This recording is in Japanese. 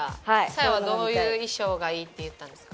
サーヤはどういう衣装がいいって言ったんですか？